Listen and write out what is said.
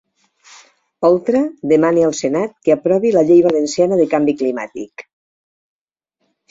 Oltra demana al senat que aprovi la llei valenciana de canvi climàtic